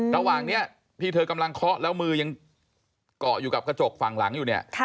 ระหว่างนี้ที่เธอกำลังเคาะแล้วมือยังเกาะอยู่กับกระจกฝั่งหลังอยู่เนี่ย